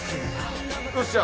よっしゃ！